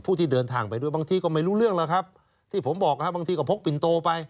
ที่เดินทางไปด้วยบางทีก็ไม่รู้เรื่องแล้วครับที่ผมบอกนะครับบางทีก็พกปินโตไป